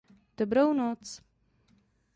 Dobrou noc.